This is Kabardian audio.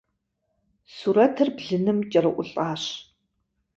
Сурэтыр блыным кӏэрыӏулӏащ.